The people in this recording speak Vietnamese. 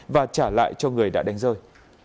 và trả lại cho người đã đánh rơi